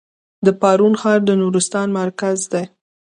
د پارون ښار د نورستان مرکز دی